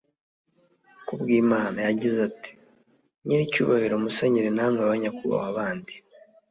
kubwimana. yagize ati :« nyiricyubahiro musenyeri namwe banyakubahwa bandi,…